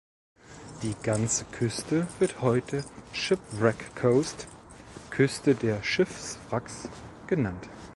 Die ganze Küste wird heute Shipwreck Coast "(Küste der Schiffswracks)" genannt.